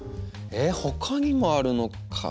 えほかにもあるのか。